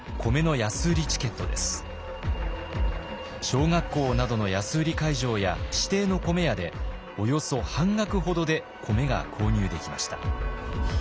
小学校などの安売り会場や指定の米屋でおよそ半額ほどで米が購入できました。